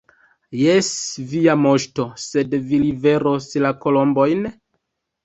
Jes, Via Moŝto, sed vi liveros la kolombojn?